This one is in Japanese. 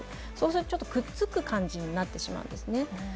そうすると、くっつく感じになってしまうんですね。